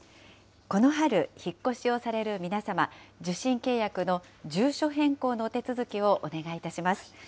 この春、引っ越しをされる皆様、受信契約の住所変更のお手続きをお願いいたします。